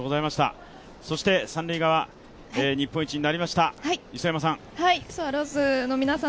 三塁側、日本一になりました、磯山さん。